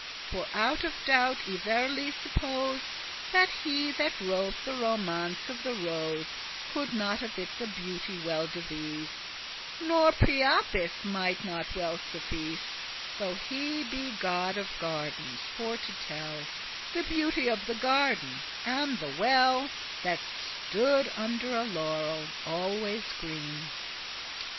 For out of doubt I verily suppose That he that wrote the Romance of the Rose <22> Could not of it the beauty well devise;* *describe Nor Priapus <23> mighte not well suffice, Though he be god of gardens, for to tell The beauty of the garden, and the well* *fountain That stood under a laurel always green.